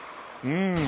うん。